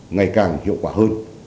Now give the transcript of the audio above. ngày càng hiệu quả hơn